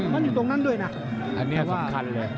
มันอยู่ตรงนั้นด้วยนะอันนี้เฉพาะ